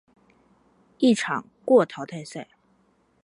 一场过淘汰赛。